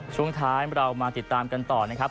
ช่วงท้ายเรามาติดตามกันต่อนะครับ